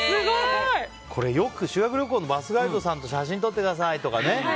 これ、よく修学旅行のバスガイドさんと写真撮ってくださいとかね。